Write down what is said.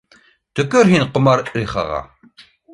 — Төкөр һин Комарихаға